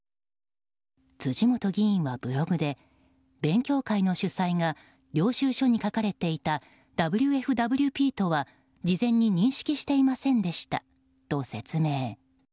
辻元議員はブログで勉強会の主催が領収書に書かれていたＷＦＷＰとは事前に認識していませんでしたと説明。